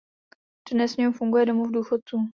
Dnes v něm funguje domov důchodců.